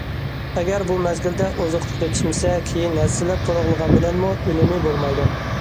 ئەگەر بۇ مەزگىلدە ئوزۇقلۇق يېتىشمىسە، كېيىن ھەسسىلەپ تولۇقلىغان بىلەنمۇ ئۈنۈمى بولمايدۇ.